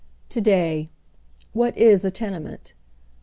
To day, what is a tenement